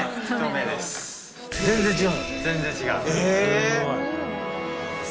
全然違う。